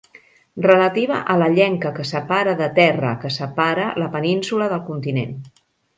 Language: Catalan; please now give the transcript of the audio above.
Relativa a la llenca que separa de terra que separa la península del continent.